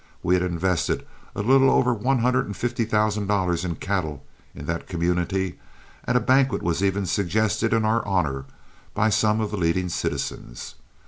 We had invested a little over one hundred and fifty thousand dollars in cattle in that community, and a banquet was even suggested in our honor by some of the leading citizens.